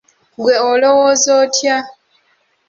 Ggwe olowooza otya?